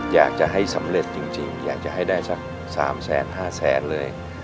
อยากจะให้สำเร็จจริงอยากจะให้ได้สัก๓๕แสนเลย